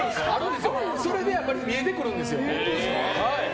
それで見えてくるんですよ。